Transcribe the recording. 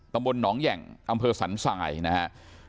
ตำบลน้องแห่งอำเภอสรรสายนะฮะ